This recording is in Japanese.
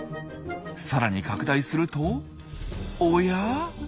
さらに拡大するとおや？